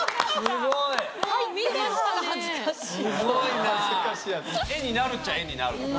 すごいな。